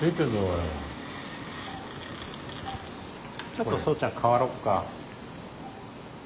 ちょっとそうちゃん代わろっか。